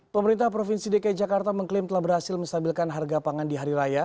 pemerintah provinsi dki jakarta mengklaim telah berhasil menstabilkan harga pangan di hari raya